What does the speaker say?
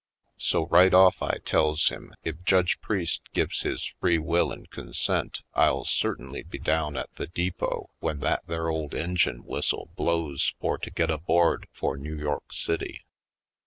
So right off I tells him if Judge Priest gives his free will and con sent I'll certainly be down at the depot when that there old engine whistle blows for to get aboard for New York City.